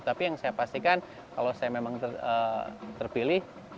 tapi yang saya pastikan kalau saya memang terpilih